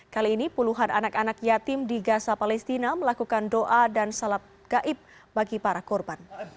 kali ini puluhan anak anak yatim di gaza palestina melakukan doa dan salat gaib bagi para korban